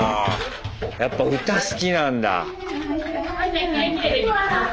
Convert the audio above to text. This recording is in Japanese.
やっぱ歌好きなんだ。